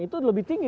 itu lebih tinggi